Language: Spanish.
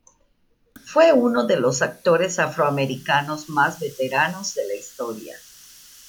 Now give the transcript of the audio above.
Fue uno de los actores afroamericanos más veteranos de la historia.